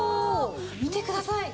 見てください！